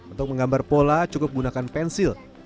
untuk menggambar pola cukup gunakan pensil